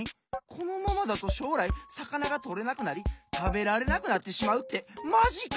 このままだとしょうらいさかながとれなくなりたべられなくなってしまうってマジか！